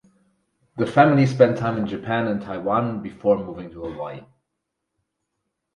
The family spent time in Japan and Taiwan before moving to Hawaii.